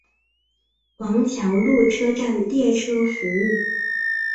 王桥路车站列车服务。